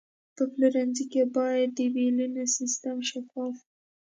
په پلورنځي کې باید د بیلونو سیستم شفاف وي.